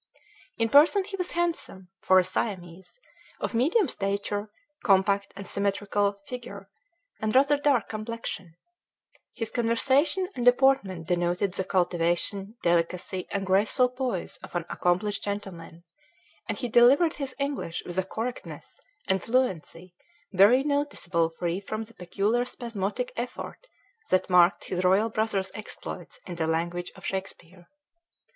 In person he was handsome, for a Siamese; of medium stature, compact and symmetrical figure, and rather dark complexion. His conversation and deportment denoted the cultivation, delicacy, and graceful poise of an accomplished gentleman; and he delivered his English with a correctness and fluency very noticeably free from the peculiar spasmodic effort that marked his royal brother's exploits in the language of Shakespeare.